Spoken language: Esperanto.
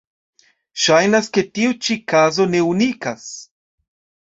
Ŝajnas, ke tiu ĉi kazo ne unikas.